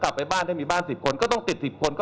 เพราะถือว่าคุณไม่มีความรับผิดชอบต่อสังคม